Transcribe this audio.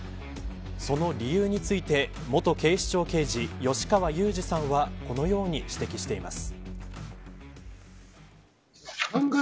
その理由について元警視庁刑事、吉川祐二さんはこのように指摘しています。